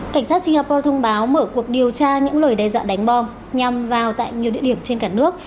cảnh sát singapore thông báo mở cuộc điều tra những lời đe dọa đánh bom nhằm vào tại nhiều địa điểm trên cả nước